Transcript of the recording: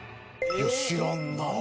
いや知らんな。